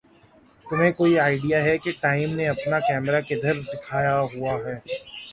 تمھیں کوئی آئڈیا ہے کہ ٹام نے اپنا کیمرہ کدھر دکھا ہوا ہے؟